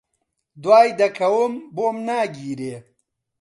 دوای دەکەوم، بۆم ناگیرێ